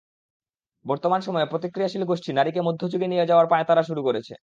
বর্তমান সময়ে প্রতিক্রিয়াশীল গোষ্ঠী নারীকে মধ্যযুগে নিয়ে যাওয়ার পাঁয়তারা শুরু করেছে।